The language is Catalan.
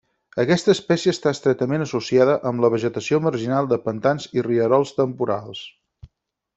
Aquesta espècie està estretament associada amb la vegetació marginal de pantans i rierols temporals.